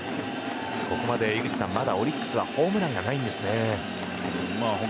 ここまで井口さんまだオリックスはホームランがないんですね。